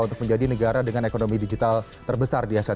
untuk menjadi negara dengan ekonomi digital terbesar